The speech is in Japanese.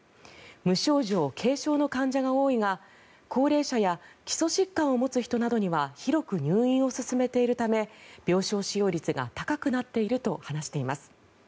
無症状・軽症の患者が多いが高齢者や基礎疾患を持つ人などには広く入院を勧めているため病床使用率が高くなっていると話しています。